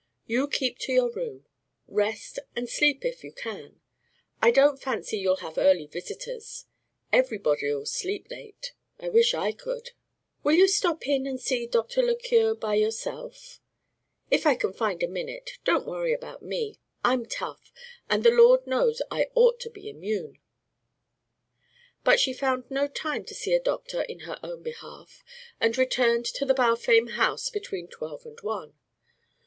You keep to your room. Rest, and sleep if you can. I don't fancy you'll have early visitors. Everybody'll sleep late. I wish I could!" "Will you stop in and see Dr. Lequeur about yourself " "If I can find a minute. Don't worry about me. I'm tough, and the Lord knows I ought to be immune." But she found no time to see a doctor in her own behalf and returned to the Balfame house between twelve and one.